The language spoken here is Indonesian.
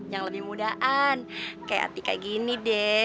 yang lebih mudahan kayak atika gini deh